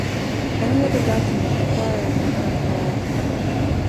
Any other document requiring the current law.